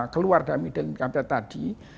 keluar dari middle income trap tadi